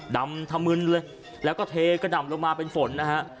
ดำทำื้นเลยงแล้วก็เทกะดำลงมาเป็นฝนนะครับ